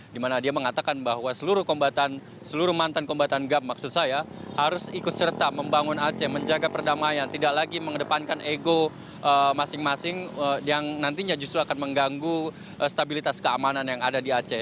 dimana dia mengatakan bahwa seluruh mantan kombatan gam maksud saya harus ikut serta membangun aceh menjaga perdamaian tidak lagi mengedepankan ego masing masing yang nantinya justru akan mengganggu stabilitas keamanan yang ada di aceh